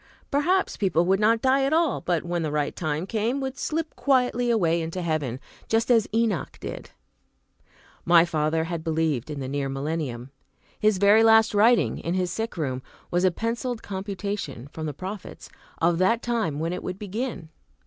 Perhaps people would not die at all, but, when the right time came, would slip quietly away into heaven, just as Enoch did. My father had believed in the near millennium. His very last writing, in his sick room, was a penciled computation, from the prophets, of the time when it would begin.